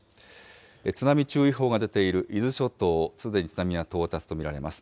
津波注意報が出ている伊豆諸島、すでに津波は到達と見られます。